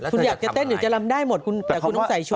คุณอยากจะเต้นหรือจะรำได้หมดคุณแต่คุณต้องใส่ชุด